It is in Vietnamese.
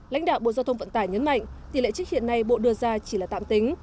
lãnh đạo bộ giao thông vận tải nhấn mạnh tỷ lệ trích hiện nay bộ đưa ra chỉ là tạm tính